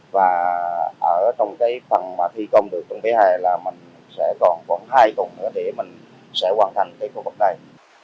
và ở trong phần thi công được trong vỉa hè là mình sẽ còn hai phần nữa để mình sẽ hoàn thành khu vực này